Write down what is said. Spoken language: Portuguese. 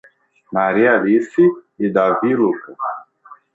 Maria Alice e Davi Lucca